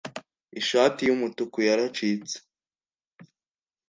ishati y'umutuku yaracitse